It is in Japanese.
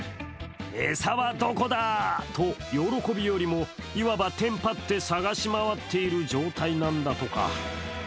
餌はどこだと喜びよりもいわばテンパって探し回っている状態なんだとか。